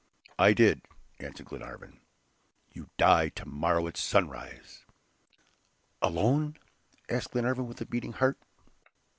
"I did," answered Glenarvan. "You die to morrow at sunrise." "Alone?" asked Glenarvan, with a beating heart.